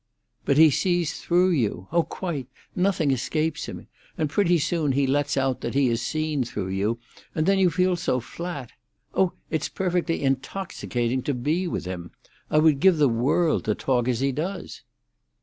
"But he sees through you. Oh, quite! Nothing escapes him, and pretty soon he lets out that he has seen through you, and then you feel so flat! Oh, it's perfectly intoxicating to be with him. I would give the world to talk as he does."